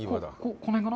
この辺かな。